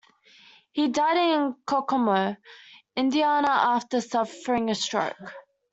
He died in Kokomo, Indiana after suffering a stroke.